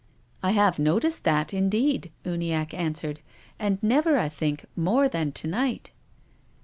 " I have noticed that, indeed," Uniacke an swered, "and never, I think, more than to night."